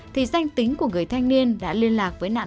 thì danh tính của người thanh niên đã liên lạc với nạn nhân